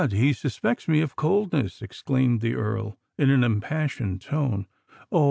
he suspects me of coldness!" exclaimed the Earl, in an impassioned tone. "Oh!